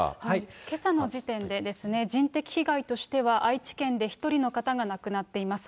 けさの時点で、人的被害としては愛知県で１人の方が亡くなっています。